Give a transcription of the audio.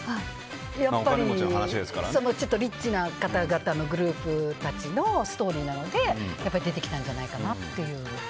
やっぱりリッチな方々のグループたちのストーリーなので出てきたんじゃないかという。